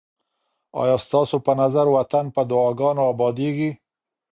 آیا ستاسو په نظر وطن په دعاګانو اباديږي؟